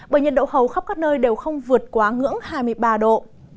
bởi nhiệt độ hầu khắp các nơi đều không vượt quá ngưỡng hai mươi ba độ